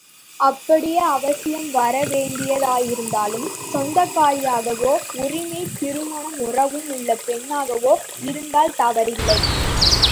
அப்படியே அவசியம் வரவேண்டியதாயிருந்தாலும் சொந்தக்காரியாகவோ உரிமையும் திருமண உறவும் உள்ள பெண்ணாகவோ இருந்தால் தவறில்லை.